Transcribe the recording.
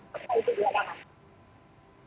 fakta itu di lapangan